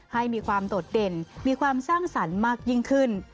ให้มีความโดดเด่นมีความสร้างสรรค์มากยิ่งขึ้น